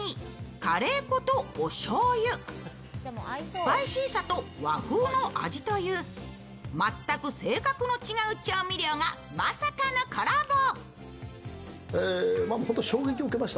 スパイシーさと和風の味という全く性格の違う調味料がまさかのコラボ。